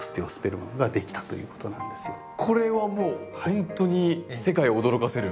これはもうほんとに世界を驚かせる？